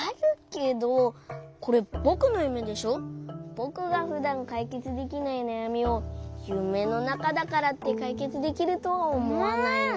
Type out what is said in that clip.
ぼくがふだんかいけつできないなやみをゆめのなかだからってかいけつできるとはおもわないな。